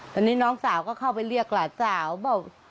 ตอนนี้น้องสาวก็เข้าไปเรียกหลานสาวบอก